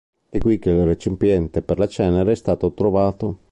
È qui che il recipiente per la cenere è stato trovato.